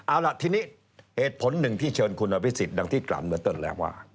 เอาล่ะทีนี้เหตุผลหนึ่งที่เชิญคุณอภิษฎดังที่กล่าวเมื่อต้นแล้วว่า